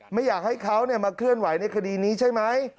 ไม่อยากให้เขามาเคลื่อนไหวในคดีนี้ใช่ไหม